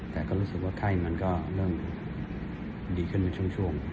แต่ก็รู้สึกว่าไข้มันก็เริ่มดีขึ้นในช่วง